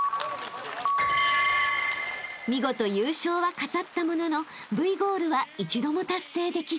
［見事優勝は飾ったもののＶゴールは一度も達成できず］